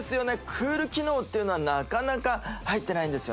ＣＯＯＬ機能っていうのはなかなか入ってないんですよね